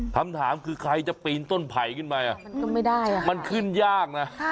คำถามคือใครจะปีนต้นไผ่ขึ้นไปมันก็ไม่ได้อ่ะมันขึ้นยากนะ